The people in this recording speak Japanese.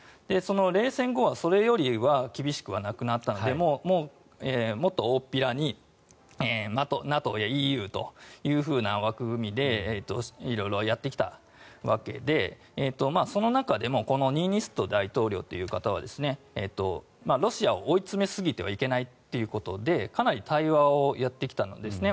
冷戦後はそれよりは厳しくはなくなったのでもうもっと大っぴらにＮＡＴＯへＥＵとという枠組みで色々やってきたわけでその中でもこのニーニスト大統領という方はロシアを追い詰めすぎてはいけないということでかなり対話をやってきたんですね。